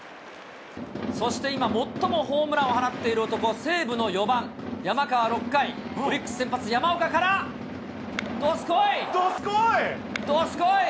そして今、最もホームランを放っている男、西武の４番山川、６回、オリックス先発、山岡からどすこい！